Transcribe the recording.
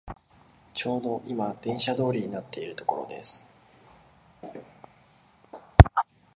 ちょうどいま電車通りになっているところです